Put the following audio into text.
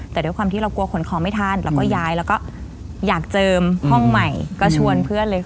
แต่ด้วยความที่เรากลัวขนของไม่ทันเราก็ย้ายแล้วก็อยากเจิมห้องใหม่ก็ชวนเพื่อนเลยค่ะ